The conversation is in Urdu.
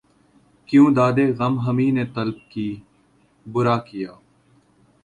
کیوں دادِ غم ہمیں نے طلب کی، بُرا کیا